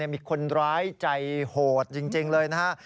มีคนร้ายใจโหดจริงเลยนะฮะ